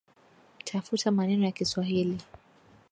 Tafuta maneno ya kiswahili